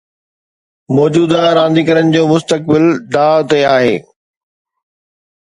موجوده رانديگرن جو مستقبل داء تي آهي